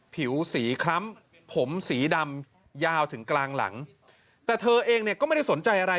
ผิวสีคล้ำผมสีดำยาวถึงกลางหลังแต่เธอเองเนี่ยก็ไม่ได้สนใจอะไร